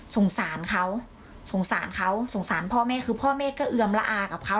สงสารเขาสงสารเขาสงสารพ่อแม่คือพ่อแม่ก็เอือมละอากับเขา